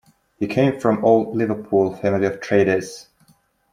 He came from an old Liverpool family of traders.